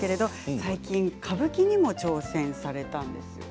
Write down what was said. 最近、歌舞伎にも挑戦されたんですよね。